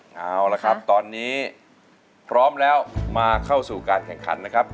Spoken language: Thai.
เอาละครับตอนนี้พร้อมแล้วมาเข้าสู่การแข่งขันนะครับ